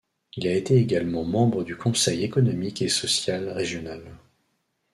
Il a été également membre du conseil économique et social régional.